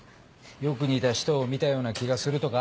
「よく似た人を見たような気がする」とか？